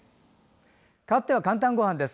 かわって「かんたんごはん」です。